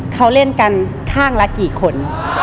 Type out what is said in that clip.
เขาเล่นกันข้างละกี่คน